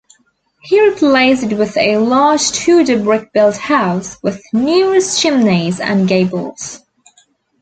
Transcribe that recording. He replaced it with a large Tudor brick-built house, with numerous chimneys and gables.